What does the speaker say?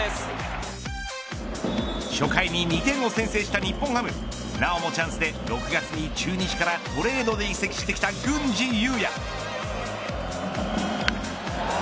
初回に２点を先制した日本ハムなおもチャンスで６月に中日からトレードで移籍してきた郡司裕也。